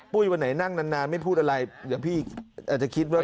วันไหนนั่งนานไม่พูดอะไรเดี๋ยวพี่อาจจะคิดว่า